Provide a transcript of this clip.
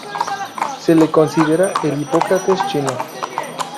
Se le considera el Hipócrates chino.